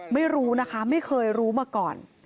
ไม่รู้นะคะไม่เคยรู้มาก่อน